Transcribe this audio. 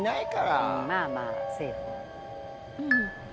まあまあセーフ。